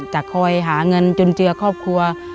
จะคอยหาเงินจนเจือครอบครัว